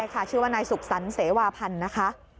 ใช่ค่ะชื่อว่านายสุกสันเสวาพันธ์นะคะ